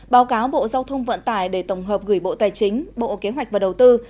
báo cáo bộ giao thông vận tải để tổng hợp gửi bộ tài chính bộ kế hoạch và đầu tư